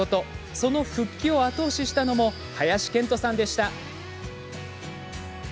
その復帰を後押ししたのも林遣都さんでした。